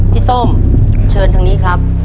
ส้มเชิญทางนี้ครับ